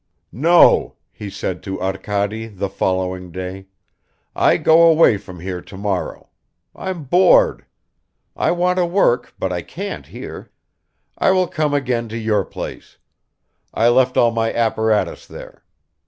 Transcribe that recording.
"No!" he said to Arkady the following day, "I go away from here tomorrow. I'm bored; I want to work but I can't here. I will come again to your place; I left all my apparatus there.